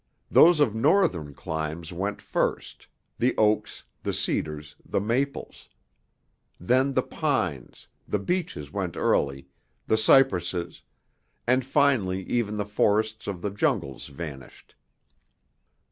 Those of northern climes went first, the oaks, the cedars, the maples. Then the pines the beeches went early the cypresses, and finally even the forests of the jungles vanished.